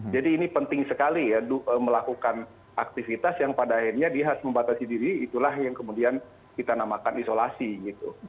jadi ini penting sekali ya melakukan aktivitas yang pada akhirnya dia harus membatasi diri itulah yang kemudian kita namakan isolasi gitu